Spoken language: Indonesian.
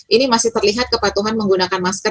ini masih terlihat kepatuhan menggunakan masker